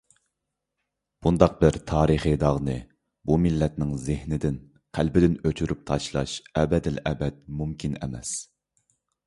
بۇنداق بىر تارىخىي داغنى بۇ مىللەتنىڭ زېھنىدىن، قەلبىدىن ئۆچۈرۈپ تاشلاش ئەبەدىلئەبەد مۇمكىن ئەمەس.